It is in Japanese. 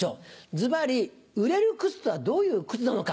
ずばり売れる靴とはどういう靴なのか